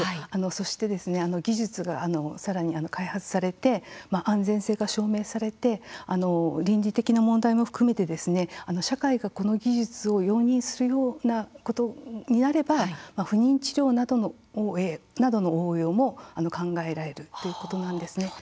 そして技術はさらに開発されて安全性が証明されて倫理的な問題なども含めて社会がこの技術を容認するようなことになれば不妊治療などへの応用も考えられるということなんですね。